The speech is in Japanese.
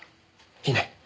いいね？